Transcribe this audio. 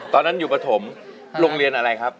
ตอนนั้นอยู่ปฐมโรงเรียนอะไรครับ